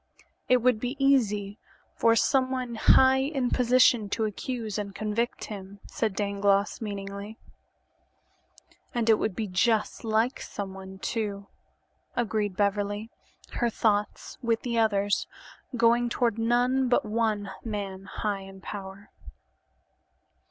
"It would be easy for someone high in position to accuse and convict him," said Dangloss meaningly. "And it would be just like someone, too," agreed Beverly, her thoughts, with the others', going toward none but one man "high in power."